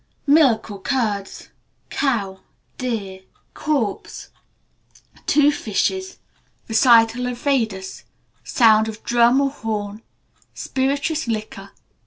Milk or curds. Cow. Deer. Corpse. Two fishes. Recital of Vedas. Sound of drum or horn. Spirituous liquor.